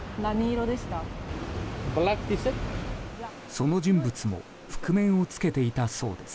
その人物も覆面を着けていたそうです。